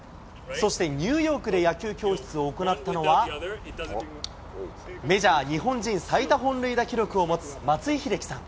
そしてニューヨークで野球教室を行ったのは、メジャー日本人最多本塁打記録を持つ、松井秀喜さん。